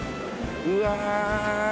うわ。